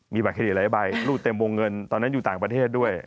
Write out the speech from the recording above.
มีบัตรเครดิตหลายใบรูดเต็มวงเงินตอนนั้นอยู่ต่างประเทศด้วย